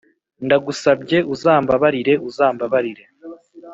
ndagusabye uzambabarire, uzambabarire